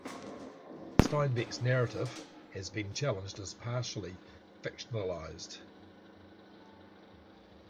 Steinbeck's narrative has been challenged as partly fictionalized.